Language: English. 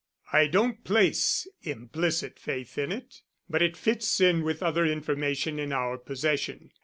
"I don't place implicit faith in it. But it fits in with other information in our possession.